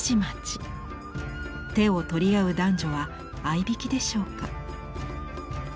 手を取り合う男女はあいびきでしょうか。